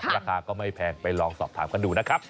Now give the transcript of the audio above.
ราคาก็ไม่แพงไปลองสอบถามกันดูนะครับ